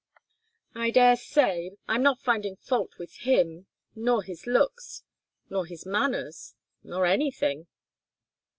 "I daresay. I'm not finding fault with him, nor his looks, nor his manners, nor anything."